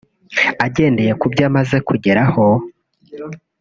Agendeye ku byo amaze kugeraho